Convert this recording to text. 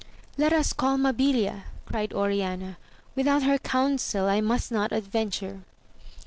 Let us call Mabilia, cried Oriana, without her counsel I must not adventure.